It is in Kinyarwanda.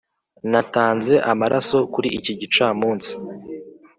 natanze amaraso kuri iki gicamunsi.